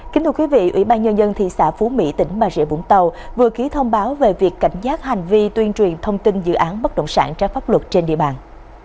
kính thưa quý vị ủy ban nhân dân thị xã phú mỹ tỉnh bà rịa vũng tàu vừa ký thông báo về việc cảnh giác hành vi tuyên truyền thông tin dự án bất động sản trái pháp luật trên địa bàn